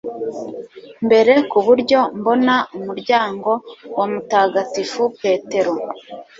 mbere ku buryo mbona umuryango wa Mutagatifu Petero